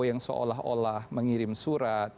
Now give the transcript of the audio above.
yang seolah olah mengirim surat